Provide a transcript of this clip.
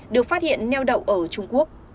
được phát hiện neo đậu ở trung quốc